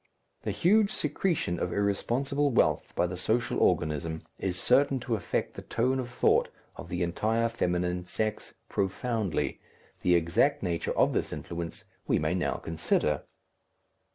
The huge secretion of irresponsible wealth by the social organism is certain to affect the tone of thought of the entire feminine sex profoundly the exact nature of this influence we may now consider.